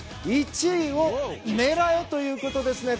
「１位をねらえ！」ということですね。